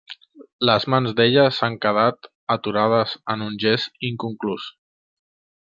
Les mans d’ella s’han quedat aturades en un gest inconclús.